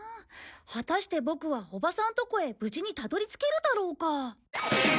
果たしてボクはおばさんとこへ無地にたどり着けるだろうか？